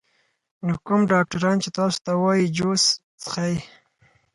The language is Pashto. نو کوم ډاکټران چې تاسو ته وائي جوس څښئ